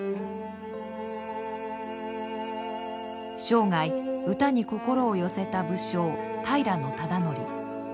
生涯歌に心を寄せた武将平忠度。